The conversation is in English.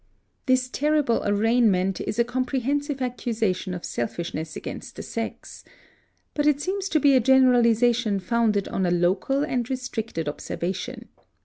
This terrible arraignment is a comprehensive accusation of selfishness against the sex. But it seems to be a generalization founded on a local and restricted observation.